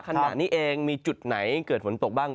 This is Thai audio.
ขณะนี้เองมีจุดไหนเกิดฝนตกบ้าง